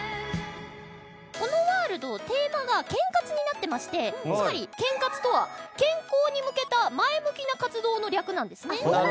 このワールドテーマが「健活」になってましてつまり健活とは「健康に向けた前向きな活動」の略なんですね。